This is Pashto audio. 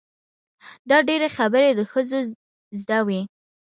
دا ډېرې خبرې د ښځو زده وي.